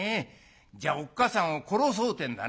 じゃあおっかさんを殺そうってんだね。